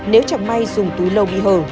nếu chẳng may dùng túi lâu bị hở